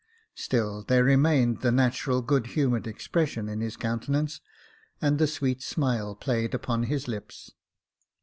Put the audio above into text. Still there remained that natural good humoured expression in his countenance, and the sweet smile played upon his lips.